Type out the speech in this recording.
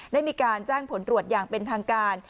ได้มีการแจ้งผลตรวจอย่างเป็นทางการ